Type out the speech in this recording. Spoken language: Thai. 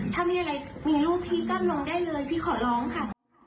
ถ้ามีอะไรมีรูปพี่ก็ลงได้เลยพี่ขอร้องค่ะ